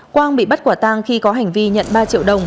quang bị bắt quả tang khi có hành vi nhận ba triệu đồng